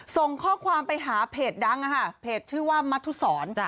ส่งข้อความไปหาเพจดังค่ะเพจชื่อว่ามัธุศรจ้